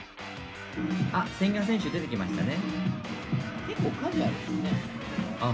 あっ、千賀選手出てきましたね。